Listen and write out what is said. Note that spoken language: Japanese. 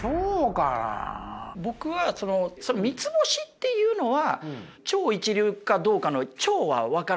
僕はその三つ星っていうのは超一流かどうかの「超」は分からないです。